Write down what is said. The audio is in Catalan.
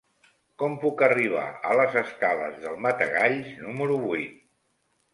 Com puc arribar a les escales del Matagalls número vuit?